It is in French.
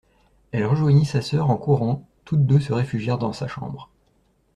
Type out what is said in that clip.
Elle rejoignit sa soeur en courant, toutes deux se réfugièrent dans sa chambre.